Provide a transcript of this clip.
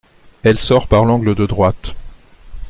Elle sort par l’angle de droite.